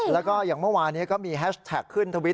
แล้วก็อย่างเมื่อวานี้ก็มีแฮชแท็กขึ้นทวิต